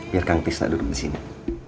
biar kang pista duduk di sini